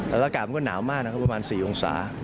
อัลละการมันก็หนาวมากประมาณ๔องศา